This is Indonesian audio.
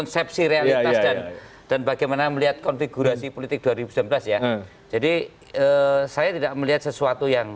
sebeberapa komunikasi kita